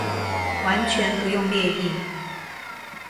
完全不用列印